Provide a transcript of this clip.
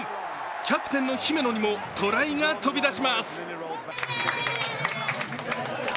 キャプテンの姫野にもトライが飛び出します。